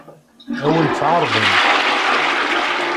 Ad wen-tt-ɛeṛḍent?